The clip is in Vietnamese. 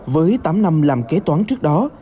với tám năm làm kế toán trước đó